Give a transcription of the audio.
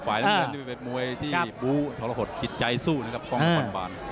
คนพลายเทมมือที่เป็นมวยที่บูบธนาคตจิตใจสู้นะครับพลายแดงก็มันบราคณบากฝนปาล